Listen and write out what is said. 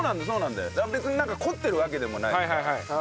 だから別になんか凝ってるわけでもないしさ。